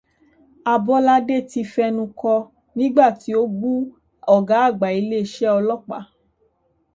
Abọ́ládé ti fẹnu kọ nígbà tí ó bú ọ̀gá àgbà ilé iṣẹ́ ọlọ́pàá.